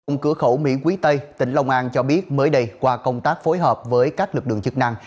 đồng biên phòng cửa khẩu mỹ quý tây tỉnh long an cho biết mới đây qua công tác phối hợp với các lực lượng chức năng